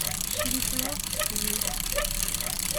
Crifa ur tettkeyyif.